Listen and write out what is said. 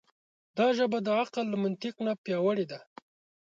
دا ژبه د عقل له منطق نه پیاوړې ده.